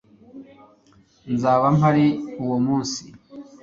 nzaba mpari uwo munsi